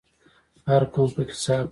هر قوم پکې څه حق لري؟